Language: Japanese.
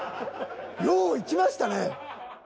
よういきましたね。